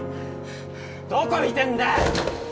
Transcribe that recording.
・どこ見てんだよ！